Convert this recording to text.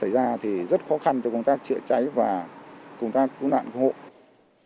và thì rất khó khăn cho công tác chữa cháy và công tác cứu nạn của hộ